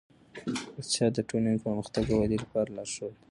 اقتصاد د ټولنې پرمختګ او ودې لپاره لارښود دی.